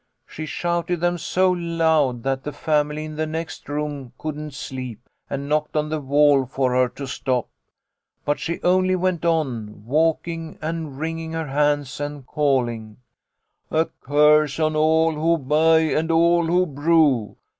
She shouted them so loud that the family in the next room couldn't sleep, and knocked on the wall for her to stop. But she only went on walking and wring ing her hands and calling, ' A curse on all who buy and all who brew